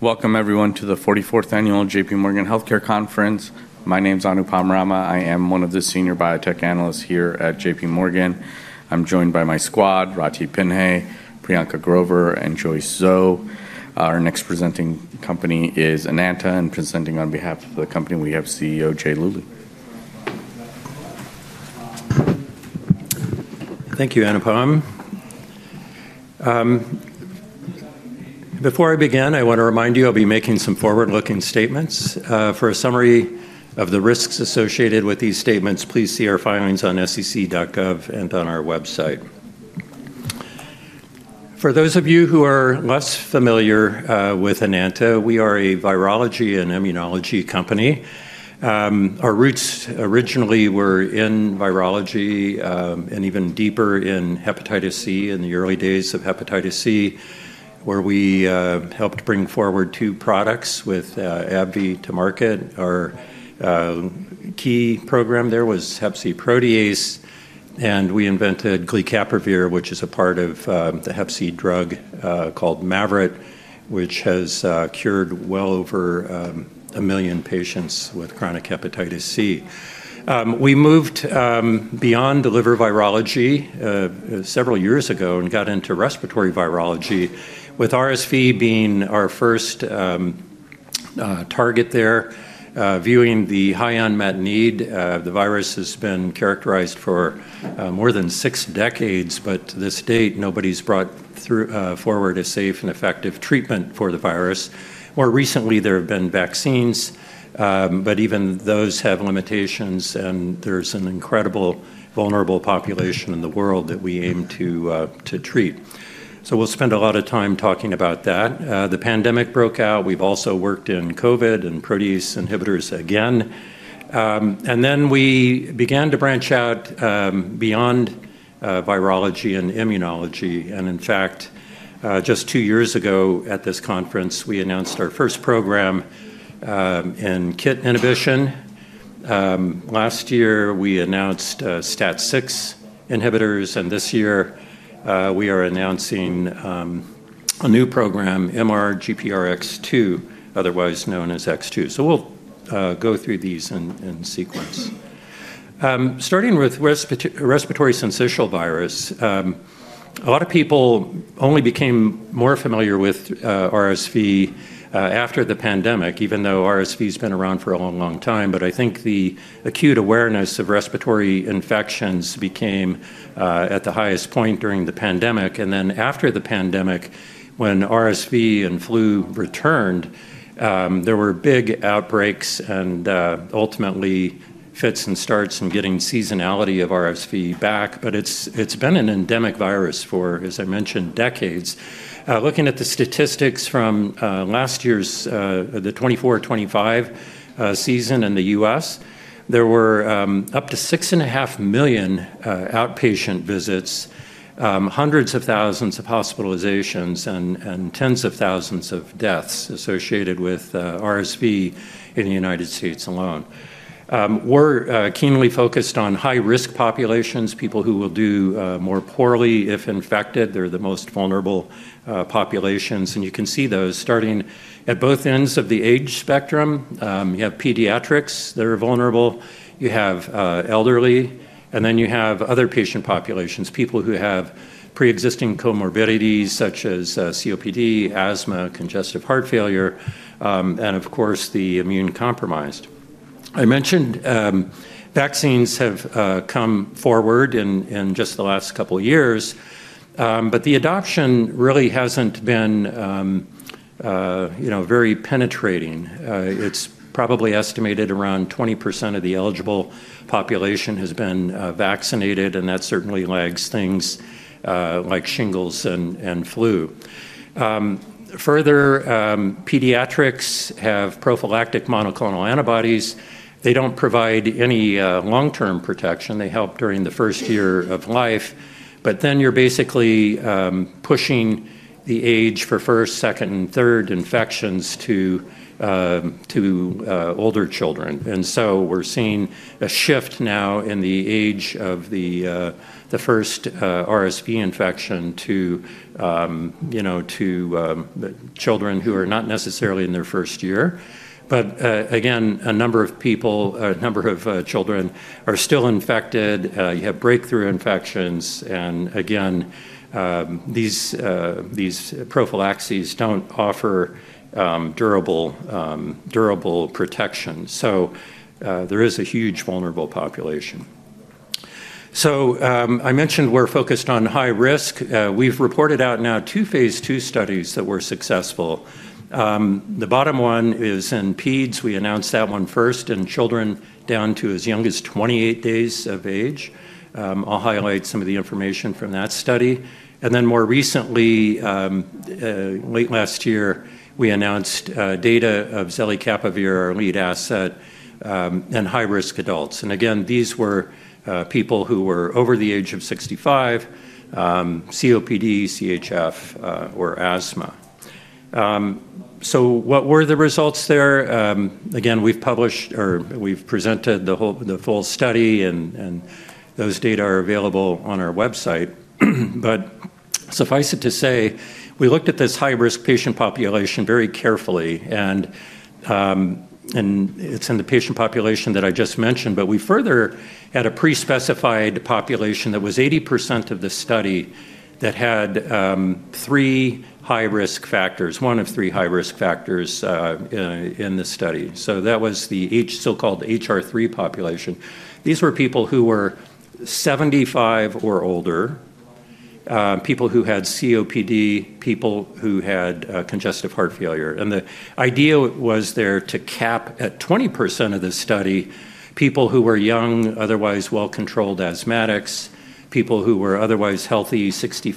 Welcome everyone to the 44th Annual JPMorgan Healthcare Conference. My name is Anupam Rama. I am one of the Senior Biotech Analysts here at JPMorgan. I'm joined by my squad, Rati Pinhey, Priyanka Grover, and Joyce Zhou. Our next presenting company is Enanta, and presenting on behalf of the company, we have CEO Jay Luly. Thank you, Anupam. Before I begin, I want to remind you I'll be making some forward-looking statements. For a summary of the risks associated with these statements, please see our filings on sec.gov and on our website. For those of you who are less familiar with Enanta, we are a virology and immunology company. Our roots originally were in virology and even deeper in hepatitis C, in the early days of hepatitis C, where we helped bring forward two products with AbbVie to market. Our key program there was hep C protease, and we invented glecaprevir, which is a part of the hep C drug called MAVYRET, which has cured well over a million patients with chronic hepatitis C. We moved beyond the liver virology several years ago and got into respiratory virology, with RSV being our first target there. Viewing the high unmet need, the virus has been characterized for more than six decades. But to this date, nobody's brought forward a safe and effective treatment for the virus. More recently, there have been vaccines, but even those have limitations, and there's an incredibly vulnerable population in the world that we aim to treat. So we'll spend a lot of time talking about that. The pandemic broke out. We've also worked in COVID and respiratory virology inhibitors again. And then we began to branch out beyond virology and immunology. And in fact, just two years ago at this conference, we announced our first program in KIT inhibition. Last year, we announced STAT6 inhibitors, and this year we are announcing a new program, MRGPRX2, otherwise known as X2. So we'll go through these in sequence. Starting with respiratory syncytial virus. A lot of people only became more familiar with RSV after the pandemic even though RSV has been around for a long, long time. But I think the acute awareness of respiratory infections became at the highest point during the pandemic. And then after the pandemic, when RSV and flu returned, there were big outbreaks and ultimately fits and starts and getting seasonality of RSV back. But it's been an endemic virus for, as I mentioned, decades. Looking at the statistics from last year's 2024-2025 season in the U.S., there were up to 6.5 million outpatient visits, hundreds of thousands of hospitalizations, and tens of thousands of deaths associated with RSV in the United States alone. We're keenly focused on high-risk populations, people who will do more poorly if infected. They're the most vulnerable populations. You can see those starting at both ends of the age spectrum. You have pediatrics that are vulnerable. You have elderly. And then you have other patient populations, people who have preexisting comorbidities such as COPD, asthma, congestive heart failure, and of course, the immune compromised. I mentioned vaccines have come forward in just the last couple of years, but the adoption really hasn't been very penetrating. It's probably estimated around 20% of the eligible population has been vaccinated, and that certainly lags things like shingles and flu. Further, pediatrics have prophylactic monoclonal antibodies. They don't provide any long-term protection. They help during the first year of life. But then you're basically pushing the age for first, second, and third infections to older children. And so we're seeing a shift now in the age of the first RSV infection to children who are not necessarily in their first year. But again, a number of people, a number of children are still infected. You have breakthrough infections. And again, these prophylaxis don't offer durable protection. So there is a huge vulnerable population. So I mentioned we're focused on high risk. We've reported out now two phase two studies that were successful. The bottom one is in peds. We announced that one first in children down to as young as 28 days of age. I'll highlight some of the information from that study. And then more recently, late last year, we announced data of zelicapavir, our lead asset, in high-risk adults. And again, these were people who were over the age of 65, COPD, CHF, or asthma. So what were the results there? Again, we've published or we've presented the full study, and those data are available on our website. Suffice it to say, we looked at this high-risk patient population very carefully. It's in the patient population that I just mentioned, but we further had a pre-specified population that was 80% of the study that had three high-risk factors, one of three high-risk factors in the study. That was the so-called HR3 population. These were people who were 75 years old or older, people who had COPD, people who had congestive heart failure. The idea was there to cap at 20% of the study people who were young, otherwise well-controlled asthmatics, people who were otherwise healthy, 65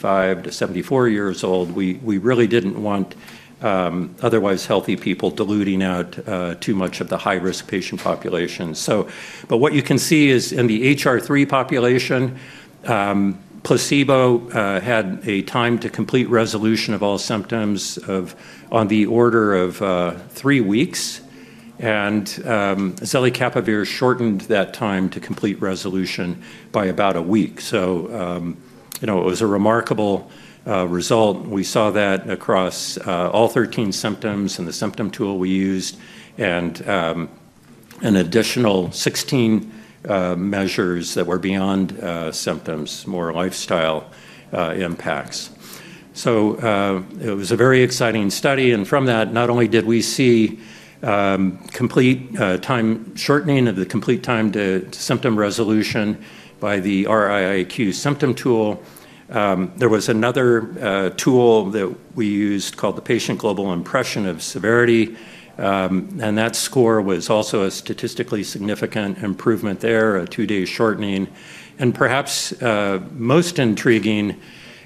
years old-74 years old. We really didn't want otherwise healthy people diluting out too much of the high-risk patient population. What you can see is in the HR3 population, placebo had a time to complete resolution of all symptoms of on the order of three weeks. Zelicapavir shortened that time to complete resolution by about a week. It was a remarkable result. We saw that across all 13 symptoms and the symptom tool we used, and an additional 16 measures that were beyond symptoms, more lifestyle impacts. It was a very exciting study. From that, not only did we see complete time shortening of the complete time to symptom resolution by the RiiQ symptom tool, there was another tool that we used called the Patient Global Impression of Severity. That score was also a statistically significant improvement there, a two-day shortening. Perhaps most intriguing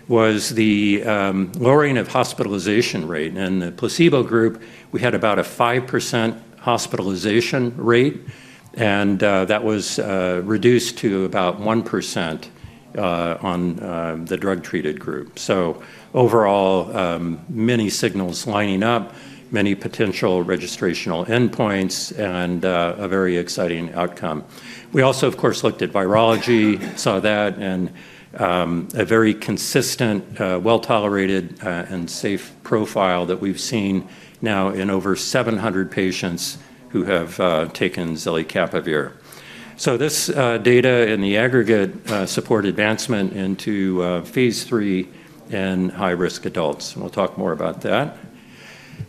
was the lowering of hospitalization rate. In the placebo group, we had about a 5% hospitalization rate, and that was reduced to about 1% on the drug-treated group. Overall, many signals lining up, many potential registrational endpoints, and a very exciting outcome. We also, of course, looked at virology, saw that, and a very consistent, well-tolerated, and safe profile that we've seen now in over 700 patients who have taken zelicapavir. So this data in the aggregate support advancement into phase III in high-risk adults. And we'll talk more about that.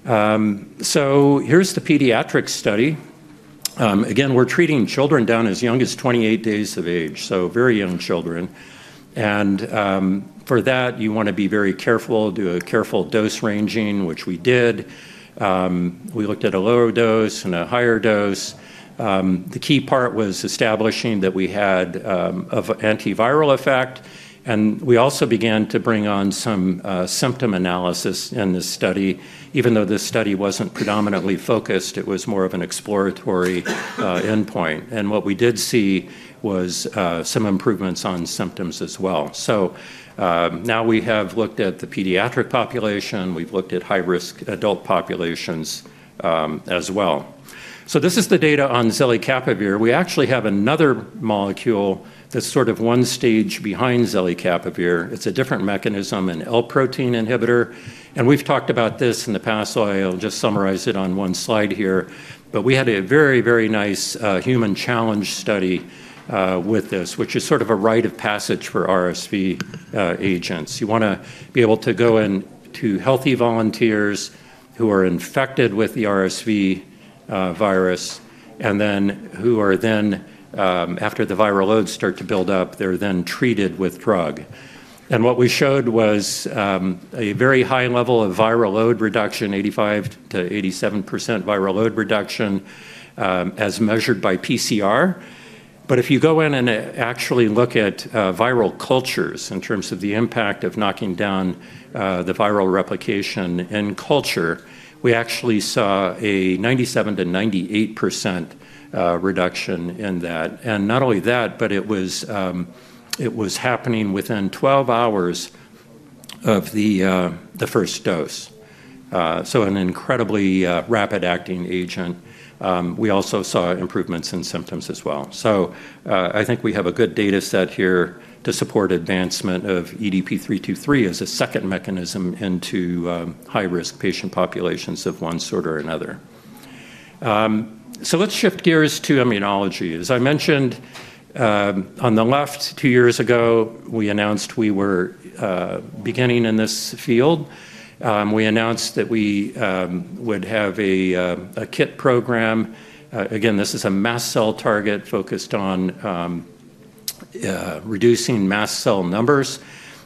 So here's the pediatric study. Again, we're treating children down as young as 28 days of age, so very young children. And for that, you want to be very careful, do a careful dose ranging, which we did. We looked at a lower dose and a higher dose. The key part was establishing that we had an antiviral effect. And we also began to bring on some symptom analysis in this study. Even though this study wasn't predominantly focused, it was more of an exploratory endpoint. And what we did see was some improvements on symptoms as well. Now we have looked at the pediatric population. We've looked at high-risk adult populations as well. This is the data on zelicapavir. We actually have another molecule that's sort of one stage behind zelicapavir. It's a different mechanism, an L-protein inhibitor. And we've talked about this in the past. I'll just summarize it on one slide here. But we had a very, very nice human challenge study with this, which is sort of a rite of passage for RSV agents. You want to be able to go into healthy volunteers who are infected with the RSV virus and then who are then, after the viral loads start to build up, they're then treated with drug. And what we showed was a very high level of viral load reduction, 85%-87% viral load reduction as measured by PCR. But if you go in and actually look at viral cultures in terms of the impact of knocking down the viral replication in culture, we actually saw a 97%-98% reduction in that. And not only that, but it was happening within 12 hours of the first dose. So an incredibly rapid-acting agent. We also saw improvements in symptoms as well. So I think we have a good data set here to support advancement of EDP-323 as a second mechanism into high-risk patient populations of one sort or another. So let's shift gears to immunology. As I mentioned, on the left, two years ago, we announced we were beginning in this field. We announced that we would have a KIT program. Again, this is a mast cell target focused on reducing mast cell numbers.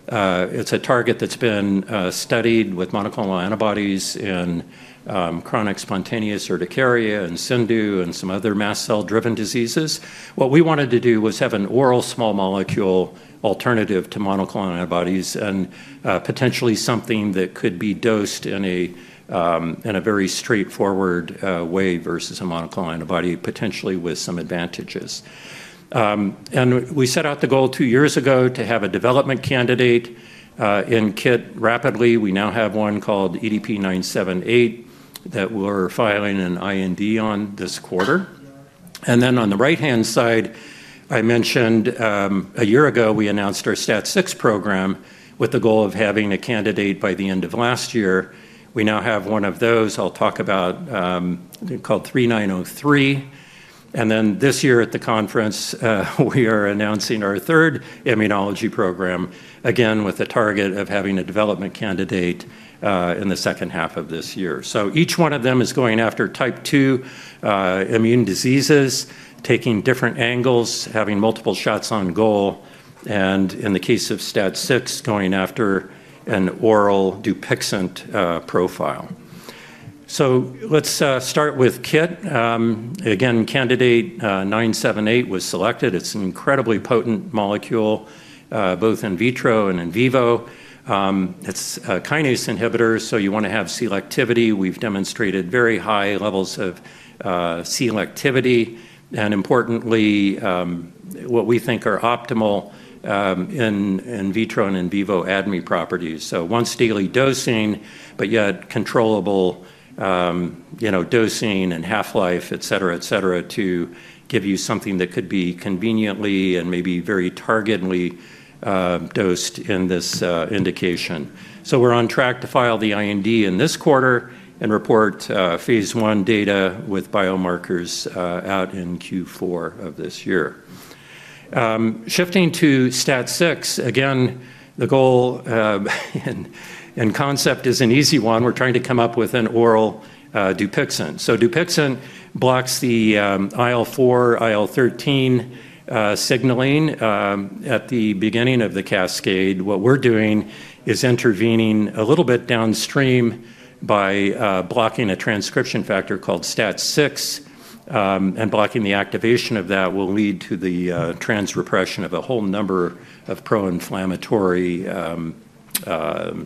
It's a target that's been studied with monoclonal antibodies in chronic spontaneous urticaria and CIndU and some other mast cell-driven diseases. What we wanted to do was have an oral small molecule alternative to monoclonal antibodies and potentially something that could be dosed in a very straightforward way versus a monoclonal antibody, potentially with some advantages. We set out the goal two years ago to have a development candidate in KIT rapidly. We now have one called EDP-978 that we're filing an IND on this quarter. On the right-hand side, I mentioned a year ago we announced our STAT6 program with the goal of having a candidate by the end of last year. We now have one of those. I'll talk about called 3903. And then this year at the conference, we are announcing our third immunology program, again with a target of having a development candidate in the second half of this year. So each one of them is going after Type 2 immune diseases, taking different angles, having multiple shots on goal, and in the case of STAT6, going after an oral Dupixent profile. So let's start with KIT. Again, candidate EDP-978 was selected. It's an incredibly potent molecule, both in vitro and in vivo. It's kinase inhibitors, so you want to have selectivity. We've demonstrated very high levels of selectivity and, importantly, what we think are optimal in vitro and in vivo ADME properties. So once daily dosing, but yet controllable dosing and half-life, etc., etc., to give you something that could be conveniently and maybe very targetedly dosed in this indication. We're on track to file the IND in this quarter and report phase I data with biomarkers out in Q4 of this year. Shifting to STAT6, again, the goal and concept is an easy one. We're trying to come up with an oral Dupixent. So Dupixent blocks the IL-4, IL-13 signaling at the beginning of the cascade. What we're doing is intervening a little bit downstream by blocking a transcription factor called STAT6, and blocking the activation of that will lead to the trans repression of a whole number of pro-inflammatory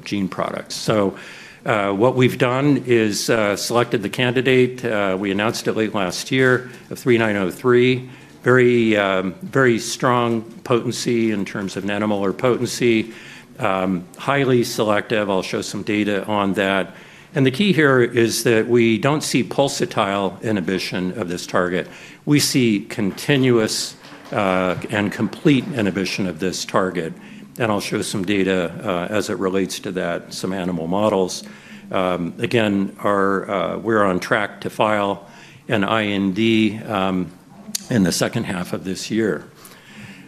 gene products. So what we've done is selected the candidate. We announced it late last year, 3903, very strong potency in terms of nanomolar potency, highly selective. I'll show some data on that. And the key here is that we don't see pulsatile inhibition of this target. We see continuous and complete inhibition of this target. I'll show some data as it relates to that, some animal models. Again, we're on track to file an IND in the second half of this year.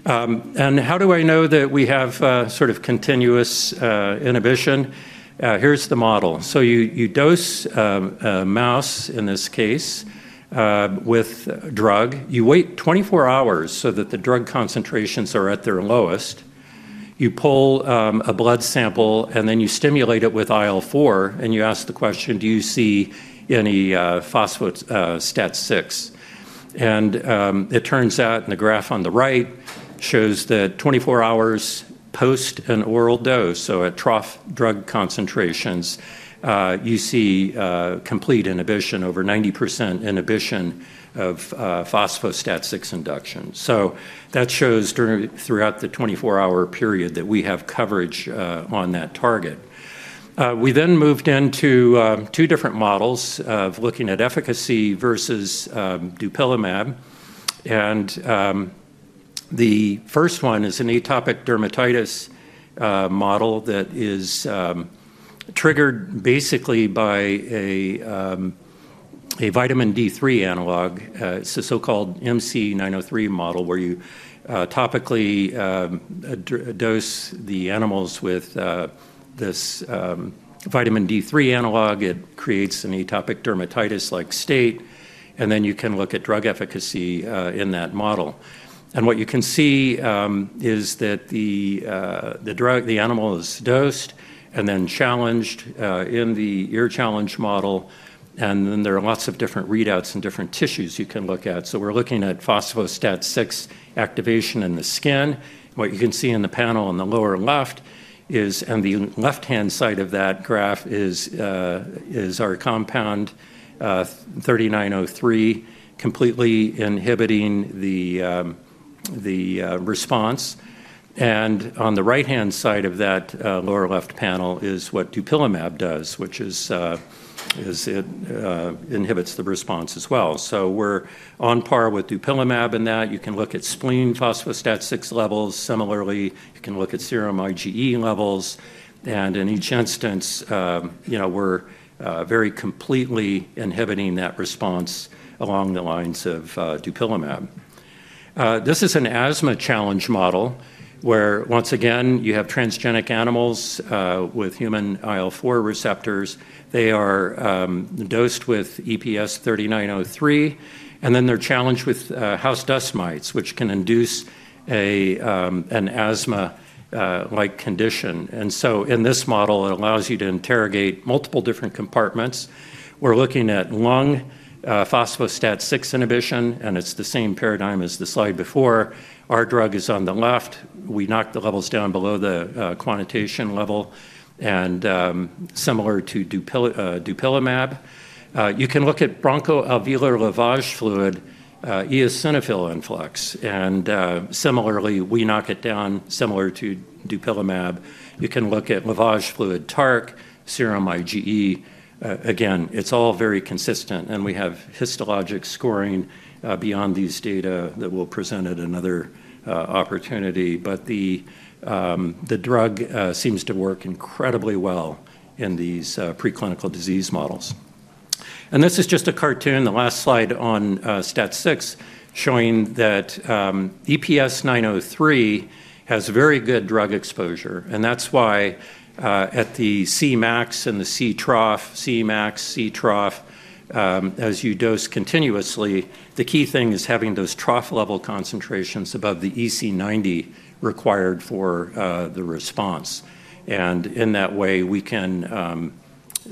How do I know that we have sort of continuous inhibition? Here's the model. So you dose a mouse in this case with drug. You wait 24 hours so that the drug concentrations are at their lowest. You pull a blood sample, and then you stimulate it with IL-4, and you ask the question, "Do you see any phospho STAT6?" It turns out in the graph on the right shows that 24 hours post an oral dose, so at trough drug concentrations, you see complete inhibition, over 90% inhibition of phospho STAT6 induction. So that shows throughout the 24-hour period that we have coverage on that target. We then moved into two different models of looking at efficacy versus dupilumab. The first one is an atopic dermatitis model that is triggered basically by a vitamin D3 analog. It's a so-called MC903 model where you topically dose the animals with this vitamin D3 analog. It creates an atopic dermatitis-like state, and then you can look at drug efficacy in that model. What you can see is that the animal is dosed and then challenged in the ear challenge model, and then there are lots of different readouts in different tissues you can look at. We're looking at phospho-STAT6 activation in the skin. What you can see in the panel on the lower left is, and the left-hand side of that graph is our compound 3903 completely inhibiting the response. On the right-hand side of that lower left panel is what dupilumab does, which inhibits the response as well. We're on par with dupilumab in that. You can look at spleen phospho-STAT6 levels. Similarly, you can look at serum IgE levels. And in each instance, we're very completely inhibiting that response along the lines of dupilumab. This is an asthma challenge model where, once again, you have transgenic animals with human IL-4 receptors. They are dosed with EPS-3903, and then they're challenged with house dust mites, which can induce an asthma-like condition. And so in this model, it allows you to interrogate multiple different compartments. We're looking at lung phospho-STAT6 inhibition, and it's the same paradigm as the slide before. Our drug is on the left. We knock the levels down below the quantitation level, and similar to dupilumab. You can look at bronchoalveolar lavage fluid eosinophil influx. And similarly, we knock it down similar to dupilumab. You can look at lavage fluid TARC, serum IgE. Again, it's all very consistent, and we have histologic scoring beyond these data that we'll present at another opportunity. But the drug seems to work incredibly well in these preclinical disease models. And this is just a cartoon, the last slide on STAT6, showing that EPS-3903 has very good drug exposure. And that's why at the Cmax and the Ctrough, Cmax, Ctrough, as you dose continuously, the key thing is having those trough level concentrations above the EC90 required for the response. And in that way, we can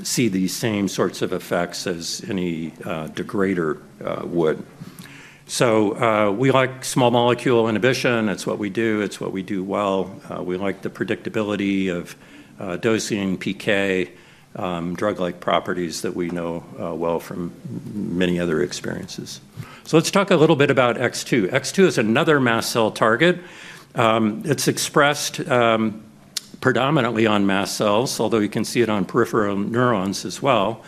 see these same sorts of effects as any degrader would. So we like small molecule inhibition. That's what we do. It's what we do well. We like the predictability of dosing PK drug-like properties that we know well from many other experiences. So let's talk a little bit about X2. X2 is another mast cell target. It's expressed predominantly on mast cells, although you can see it on peripheral neurons as well.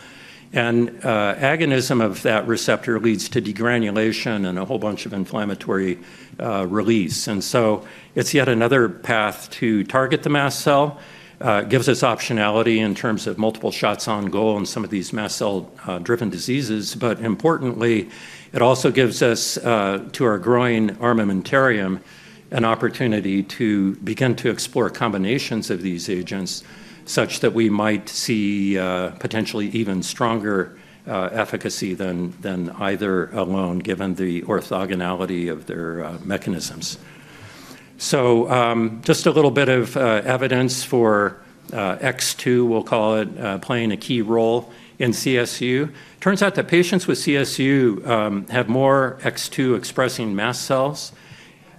And agonism of that receptor leads to degranulation and a whole bunch of inflammatory release. And so it's yet another path to target the mast cell. It gives us optionality in terms of multiple shots on goal in some of these mast cell-driven diseases. But importantly, it also gives us, to our growing armamentarium, an opportunity to begin to explore combinations of these agents such that we might see potentially even stronger efficacy than either alone, given the orthogonality of their mechanisms. So just a little bit of evidence for X2, we'll call it, playing a key role in CSU. It turns out that patients with CSU have more X2-expressing mast cells.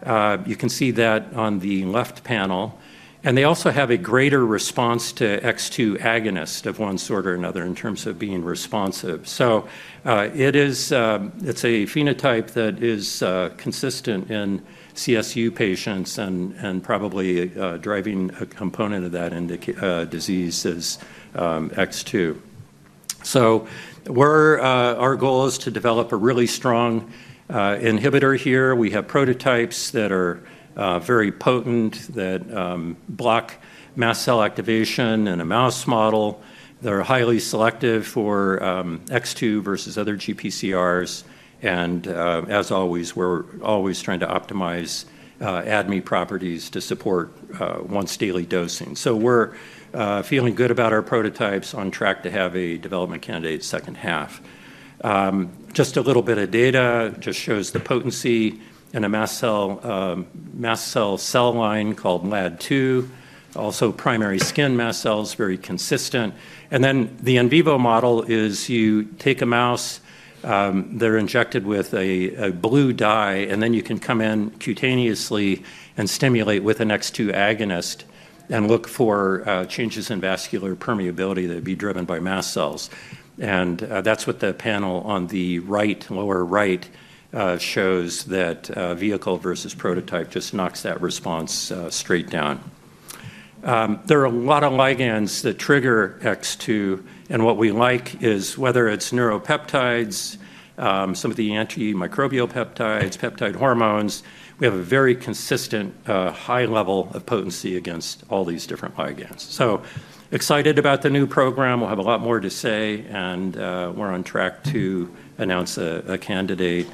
You can see that on the left panel. And they also have a greater response to X2 agonist of one sort or another in terms of being responsive. So it's a phenotype that is consistent in CSU patients and probably driving a component of that disease is X2. So our goal is to develop a really strong inhibitor here. We have prototypes that are very potent that block mast cell activation in a mouse model. They're highly selective for X2 versus other GPCRs. And as always, we're always trying to optimize ADME properties to support once daily dosing. So we're feeling good about our prototypes, on track to have a development candidate second half. Just a little bit of data just shows the potency in a mast cell cell line called LAD2, also primary skin mast cells, very consistent. Then the in vivo model is you take a mouse, they're injected with a blue dye, and then you can come in cutaneously and stimulate with an X2 agonist and look for changes in vascular permeability that would be driven by mast cells. And that's what the panel on the right, lower right, shows that vehicle versus prototype just knocks that response straight down. There are a lot of ligands that trigger X2, and what we like is whether it's neuropeptides, some of the antimicrobial peptides, peptide hormones, we have a very consistent high level of potency against all these different ligands. Excited about the new program. We'll have a lot more to say, and we're on track to announce a candidate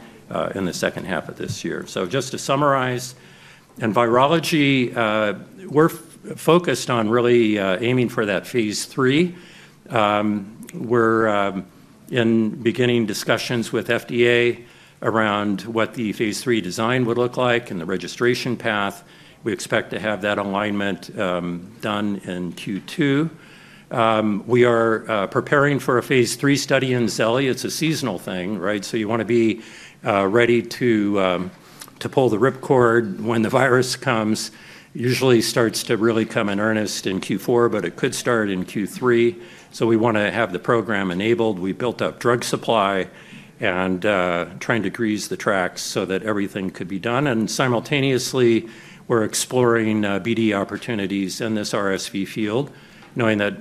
in the second half of this year. Just to summarize, in virology, we're focused on really aiming for that phase III. We're in beginning discussions with FDA around what the phase III design would look like and the registration path. We expect to have that alignment done in Q2. We are preparing for a phase III study in zeli. It's a seasonal thing, right, so you want to be ready to pull the rip cord when the virus comes. Usually, it starts to really come in earnest in Q4, but it could start in Q3, so we want to have the program enabled. We built up drug supply and trying to grease the tracks so that everything could be done. And simultaneously, we're exploring BD opportunities in this RSV field, knowing that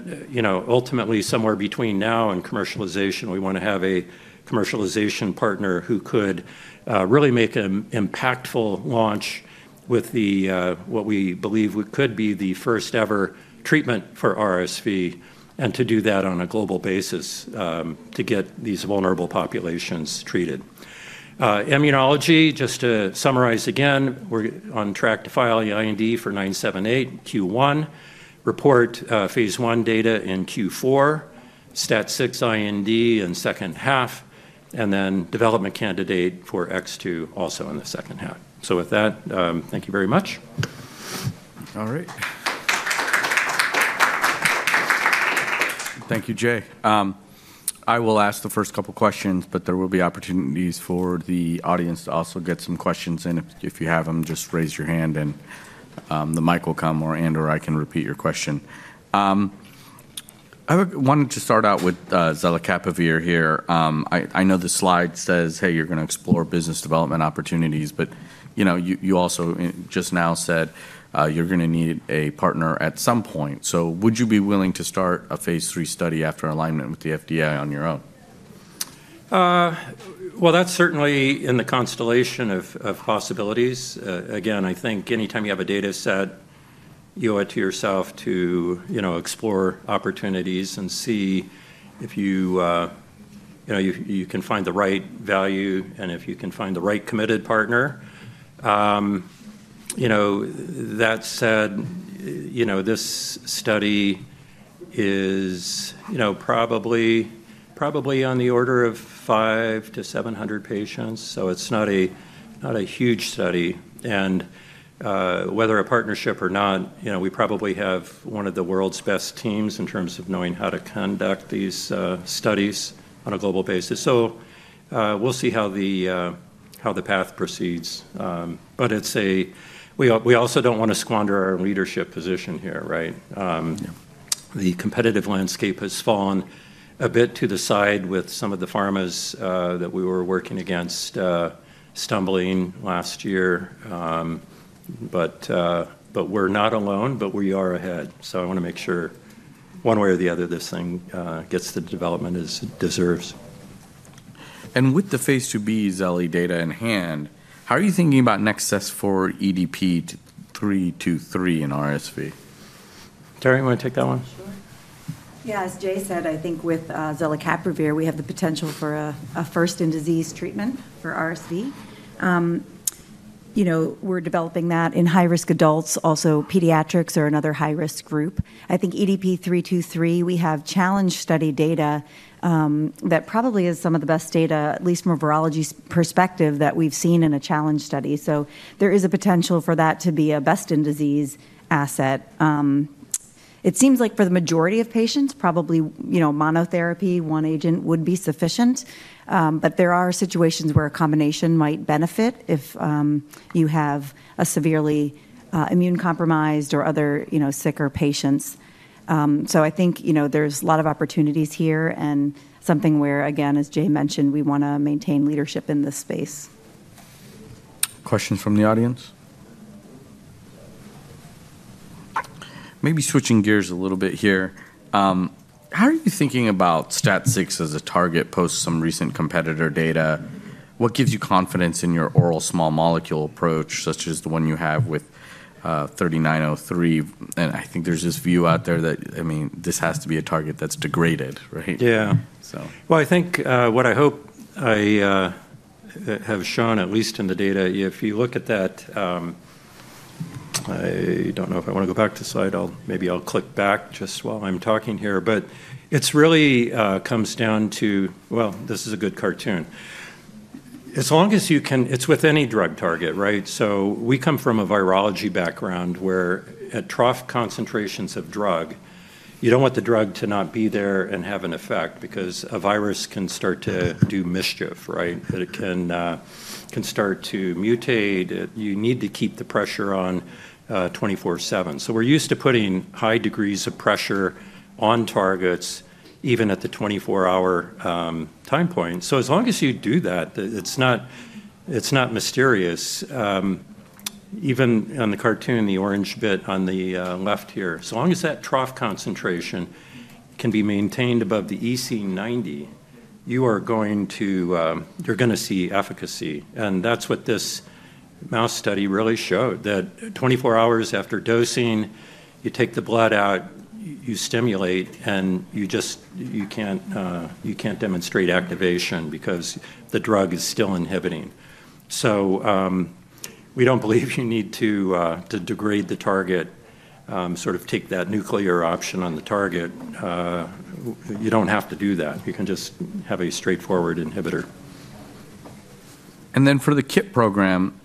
ultimately, somewhere between now and commercialization, we want to have a commercialization partner who could really make an impactful launch with what we believe could be the first-ever treatment for RSV and to do that on a global basis to get these vulnerable populations treated. Immunology, just to summarize again, we're on track to file the IND for 978, Q1, report phase I data in Q4, STAT6 IND in second half, and then development candidate for X2 also in the second half. So with that, thank you very much. All right. Thank you, Jay. I will ask the first couple of questions, but there will be opportunities for the audience to also get some questions. And if you have them, just raise your hand, and the mic will come, and/or I can repeat your question. I wanted to start out with zelicapavir here. I know the slide says, "Hey, you're going to explore business development opportunities," but you also just now said you're going to need a partner at some point. So would you be willing to start a phase III study after alignment with the FDA on your own? That's certainly in the constellation of possibilities. Again, I think anytime you have a data set, you owe it to yourself to explore opportunities and see if you can find the right value and if you can find the right committed partner. That said, this study is probably on the order of 500patients-700 patients, so it's not a huge study. And whether a partnership or not, we probably have one of the world's best teams in terms of knowing how to conduct these studies on a global basis. So we'll see how the path proceeds. But we also don't want to squander our leadership position here, right? The competitive landscape has fallen a bit to the side with some of the pharmas that we were working against stumbling last year. But we're not alone, but we are ahead. So I want to make sure one way or the other this thing gets the development it deserves. With the phase II-B zeli data in hand, how are you thinking about nexus for EDP-323 in RSV? Tara, you want to take that one? Sure. Yeah, as Jay said, I think with zelicapavir, we have the potential for a first-in-disease treatment for RSV. We're developing that in high-risk adults. Also, pediatrics are another high-risk group. I think EDP-323, we have challenge study data that probably is some of the best data, at least from a virology perspective, that we've seen in a challenge study. So there is a potential for that to be a best-in-disease asset. It seems like for the majority of patients, probably monotherapy, one agent would be sufficient. But there are situations where a combination might benefit if you have a severely immune-compromised or other sicker patients. So I think there's a lot of opportunities here and something where, again, as Jay mentioned, we want to maintain leadership in this space. Questions from the audience? Maybe switching gears a little bit here. How are you thinking about STAT6 as a target post some recent competitor data? What gives you confidence in your oral small molecule approach, such as the one you have with 3903? And I think there's this view out there that, I mean, this has to be a target that's degraded, right? Yeah. Well, I think what I hope I have shown, at least in the data, if you look at that. I don't know if I want to go back to the slide. Maybe I'll click back just while I'm talking here. But it really comes down to, well, this is a good cartoon. As long as you can, it's with any drug target, right? So we come from a virology background where at trough concentrations of drug, you don't want the drug to not be there and have an effect because a virus can start to do mischief, right? It can start to mutate. You need to keep the pressure on 24/7. So we're used to putting high degrees of pressure on targets even at the 24-hour time point. So as long as you do that, it's not mysterious. Even on the cartoon in the orange bit on the left here, as long as that trough concentration can be maintained above the EC90, you are going to, you're going to see efficacy. And that's what this mouse study really showed, that 24 hours after dosing, you take the blood out, you stimulate, and you can't demonstrate activation because the drug is still inhibiting. So we don't believe you need to degrade the target, sort of take that nuclear option on the target. You don't have to do that. You can just have a straightforward inhibitor. For the KIT program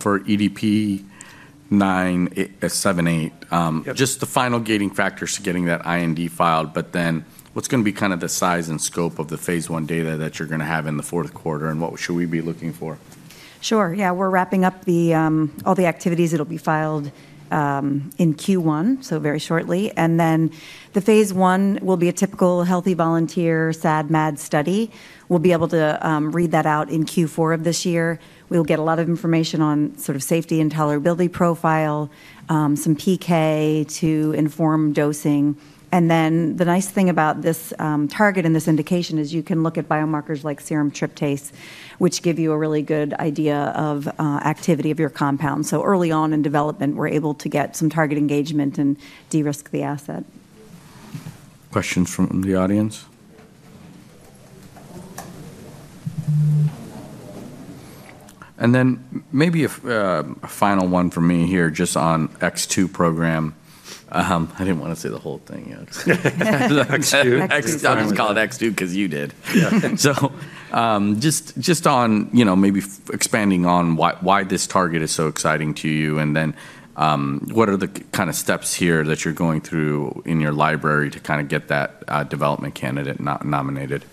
for EDP-978, just the final gating factors to getting that IND filed, but then what's going to be kind of the size and scope of the phase I data that you're going to have in the fourth quarter, and what should we be looking for? Sure. Yeah, we're wrapping up all the activities. It'll be filed in Q1, so very shortly. And then the phase I will be a typical healthy volunteer, SAD, MAD study. We'll be able to read that out in Q4 of this year. We'll get a lot of information on sort of safety and tolerability profile, some PK to inform dosing. And then the nice thing about this target and this indication is you can look at biomarkers like serum tryptase, which give you a really good idea of activity of your compound. So early on in development, we're able to get some target engagement and de-risk the asset. Questions from the audience? And then maybe a final one for me here just on X2 program. I didn't want to say the whole thing. X2. I'm just calling it X2 because you did. So just on maybe expanding on why this target is so exciting to you, and then what are the kind of steps here that you're going through in your library to kind of get that development candidate nominated?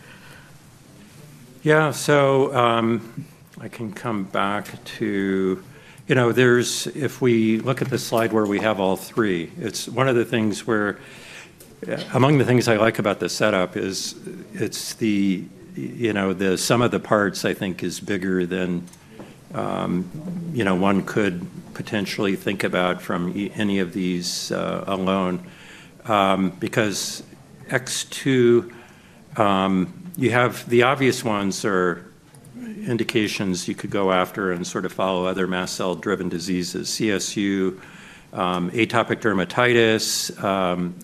Yeah, so I can come back to, if we look at the slide where we have all three. It's one of the things where, among the things I like about the setup, is some of the parts I think is bigger than one could potentially think about from any of these alone. Because X2, you have the obvious ones are indications you could go after and sort of follow other mast cell-driven diseases: CSU, atopic dermatitis,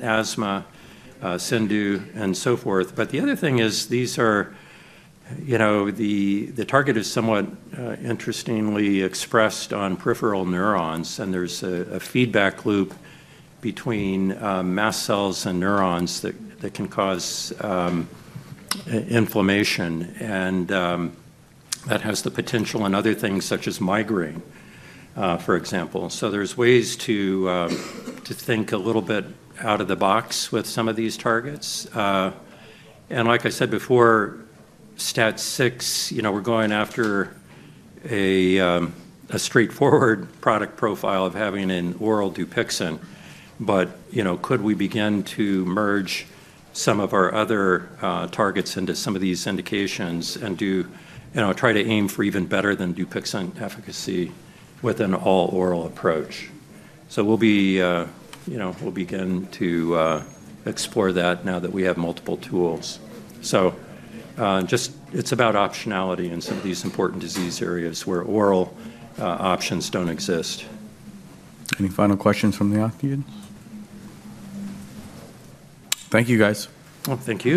asthma, CIndU, and so forth. But the other thing is these are the target is somewhat interestingly expressed on peripheral neurons, and there's a feedback loop between mast cells and neurons that can cause inflammation, and that has the potential in other things such as migraine, for example. So there's ways to think a little bit out of the box with some of these targets. Like I said before, STAT6, we're going after a straightforward product profile of having an oral Dupixent, but could we begin to merge some of our other targets into some of these indications and try to aim for even better than Dupixent efficacy with an all-oral approach? We'll begin to explore that now that we have multiple tools. It's about optionality in some of these important disease areas where oral options don't exist. Any final questions from the audience? Thank you, guys. Thank you.